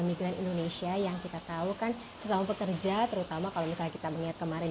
migran indonesia yang kita tahu kan sesama pekerja terutama kalau misalnya kita mengingat kemarin